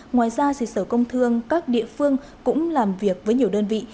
ngoài ra sở công thương các địa phương cũng làm việc với nhiều đơn vị